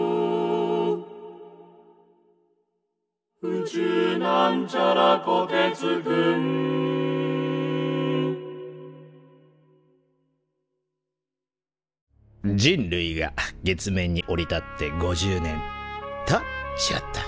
「宇宙」人類が月面に降り立って５０年！とちょっと。